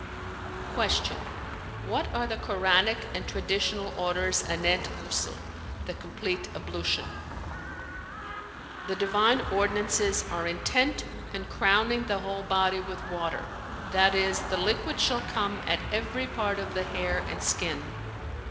Q "What are the Koranic and traditional orders anent Ghusl, the complete ablution[FN#308]?" "The divine ordinances are intent and 'crowning'[FN#309] the whole body with water, that is, the liquid shall come at every part of the hair and skin.